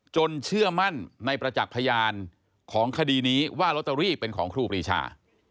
เชื่อมั่นในประจักษ์พยานของคดีนี้ว่าลอตเตอรี่เป็นของครูปรีชา